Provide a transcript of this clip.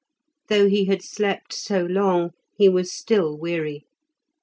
Though he had slept so long he was still weary.